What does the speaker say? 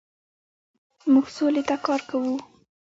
موږ سولې ته کار کوو.